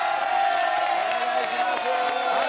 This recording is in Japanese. お願いします！